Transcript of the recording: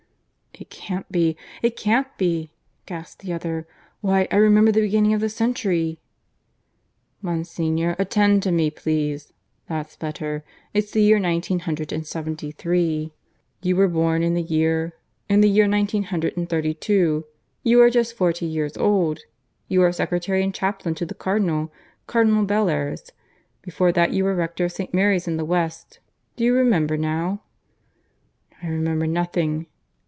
"It can't be; it can't be," gasped the other. "Why, I remember the beginning of the century." "Monsignor, attend to me, please. ... That's better. It's the year nineteen hundred and seventy three. You were born in the year in the year nineteen hundred and thirty two. You are just forty years old. You are secretary and chaplain to the Cardinal Cardinal Bellairs. Before that you were Rector of St. Mary's in the West. ... Do you remember now?" "I remember nothing."